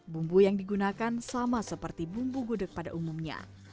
bumbu yang digunakan sama seperti bumbu gudeg pada umumnya